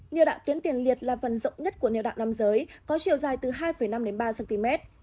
nhiệu đạo tuyến tuyển liệt là phần rộng nhất của niệu đạo nam giới có chiều dài từ hai năm ba cm